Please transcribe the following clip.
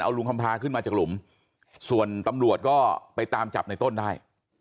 ลุงคำพาขึ้นมาจากหลุมส่วนตำรวจก็ไปตามจับในต้นได้